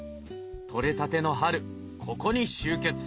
とれたての春ここに集結！